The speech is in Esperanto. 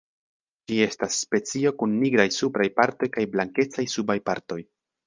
Ĝi estas specio kun nigraj supraj partoj kaj blankecaj subaj partoj.